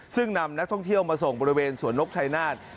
ซึ่งนำนักท่องเที่ยวมาส่งบริเวณสวนนกชายนาฏ